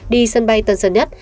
đi sân bay tân sơn nhất